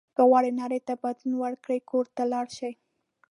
که غواړئ نړۍ ته بدلون ورکړئ کور ته لاړ شئ.